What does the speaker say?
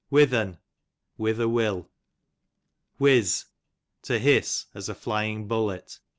Whithern, whither will. Whiz, to hiss, as a flying bullet.